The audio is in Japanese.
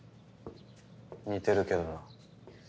似てるけどな。